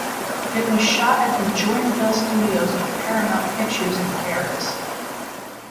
It was shot at the Joinville Studios of Paramount Pictures in Paris.